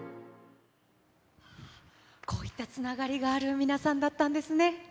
こういったつながりがある皆さんだったんですね。